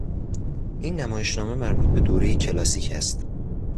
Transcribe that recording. این نمایشنامه مربوط به دورهی کلاسیک است.